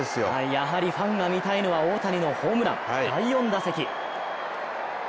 やはりファンが見たいのは大谷のホームラン、第４打席。